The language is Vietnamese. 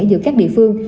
giữa các địa phương